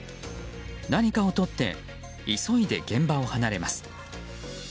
何かを取って急いで現場を離れます。